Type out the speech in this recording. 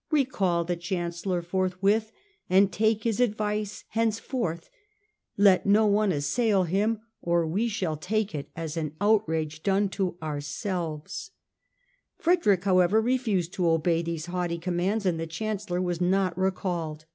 ... Recall the Chancellor forthwith and take his advice henceforth ; let no one assail him, or we shall take it as an outrage done to ourselves." Frederick, however, refused to obey these haughty commands, and the Chancellor was not recalled.